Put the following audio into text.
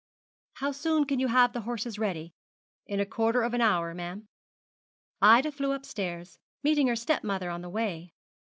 'How soon can you have the horses ready?' 'In a quarter of an hour, ma'am.' Ida flew upstairs, meeting her step mother on the way.